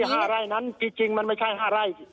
๕ไร่นั้นจริงมันไม่ใช่๕ไร่